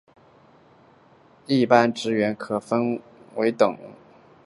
一般职员可分为等。